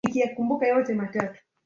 wana asili ya Wakikuyu au Abhaghekoyo